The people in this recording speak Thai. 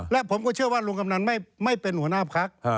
และผมก็เชื่อว่าลุงกำนันไม่เป็นหัวหน้าพัก